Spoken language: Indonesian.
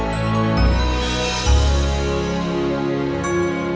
sampai jumpa di video selanjutnya